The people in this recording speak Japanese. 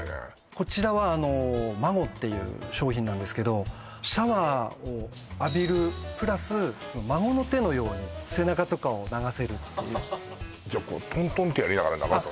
こちらはＭＡＧＯっていう商品なんですけどシャワーを浴びるプラス孫の手のように背中とかを流せるっていうじゃトントンってやりながら流すの？